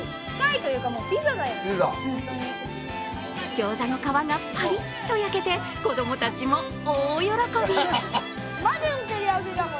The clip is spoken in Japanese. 餃子の皮がパリッと焼けて子供たちも大喜び。